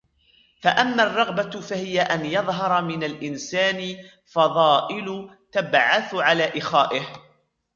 فَأَمَّا الرَّغْبَةُ فَهِيَ أَنْ يَظْهَرَ مِنْ الْإِنْسَانِ فَضَائِلُ تَبْعَثُ عَلَى إخَائِهِ